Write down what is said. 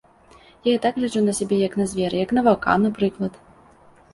Я так і гляджу на сябе, як на звера, як на ваўка, напрыклад.